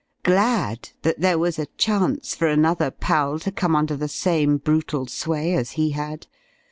Glad that there was a chance for another pal to come under the same brutal sway as he had?